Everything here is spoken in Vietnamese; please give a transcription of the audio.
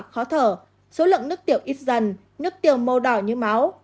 có các dấu hiệu khó thở số lượng nước tiểu ít dần nước tiểu màu đỏ như máu